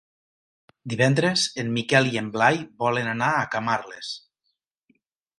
Divendres en Miquel i en Blai volen anar a Camarles.